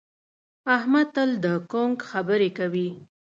احمد تل د کونک خبرې کوي.